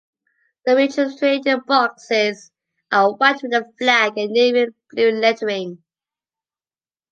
The refrigerated boxes are white with the flag and navy blue lettering.